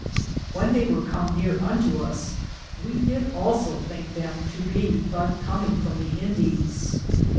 When they weare come neare unto us, we did also thinke them to be but than cominge from the Indies.